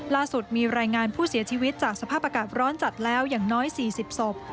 ล่าสุดมีรายงานผู้เสียชีวิตจากสภาพอากาศร้อนจัดแล้วอย่างน้อย๔๐ศพ